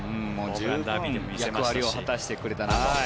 もう十分役割を果たしてくれたなと。